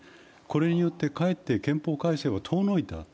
これによってかえって憲法改正が遠のいた。